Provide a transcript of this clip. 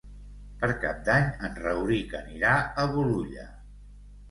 Per Cap d'Any en Rauric anirà a Bolulla.